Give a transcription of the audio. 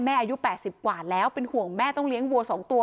แม่อายุแปดสิบกว่าแล้วเป็นห่วงแม่ต้องเลี้ยงวัวสองตัว